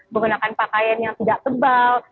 menggunakan pakaian yang tidak tebal